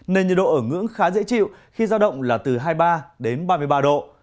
nên nhiệt độ ở ngưỡng khá dễ chịu khi giao động là từ hai mươi ba đến ba mươi ba độ